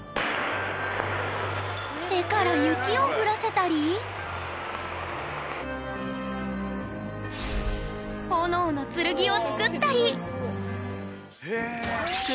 手から雪をふらせたり炎の剣を作ったり！